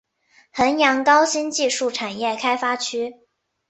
衡阳高新技术产业开发区